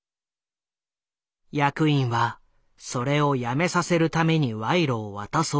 役員はそれをやめさせるために賄賂を渡そうとしたと言われている。